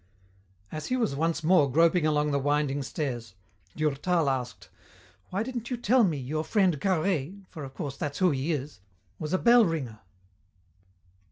As he was once more groping along the winding stairs, Durtal asked, "Why didn't you tell me your friend Carhaix for of course that's who he is was a bell ringer?"